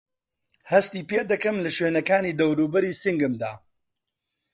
هەستی پێدەکەم له شوێنەکانی دەورووبەری سنگمدا؟